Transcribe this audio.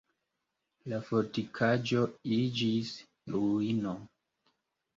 La fortikaĵo iĝis ruino.